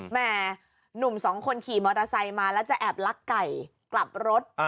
แม่หนุ่มสองคนขี่มอเตอร์ไซค์มาแล้วจะแอบลักไก่กลับรถ